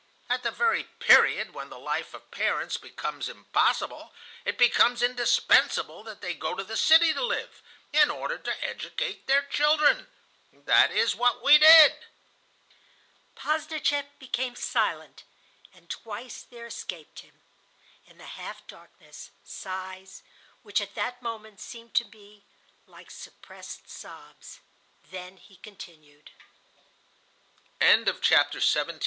At the very period when the life of parents becomes impossible, it becomes indispensable that they go to the city to live, in order to educate their children. That is what we did." Posdnicheff became silent, and twice there escaped him, in the half darkness, sighs, which at that moment seemed to me like suppressed sobs. Then he continued. CHAPTER XVIII.